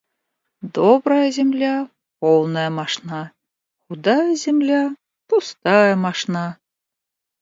Добрая земля - полная мошна, худая земля - пустая мошна.